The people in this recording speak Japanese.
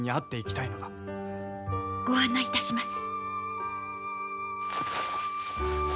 ご案内いたします。